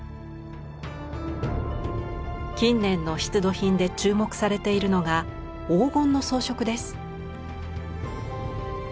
近年の出土品で注目されているのが黄金の装飾です。